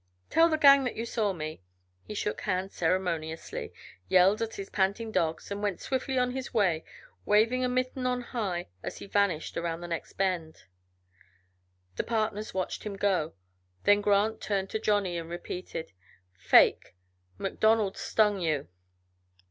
Tell the gang that you saw me." He shook hands ceremoniously, yelled at his panting dogs, and went swiftly on his way, waving a mitten on high as he vanished around the next bend. The partners watched him go, then Grant turned to Johnny, and repeated: "Fake! MacDonald stung you."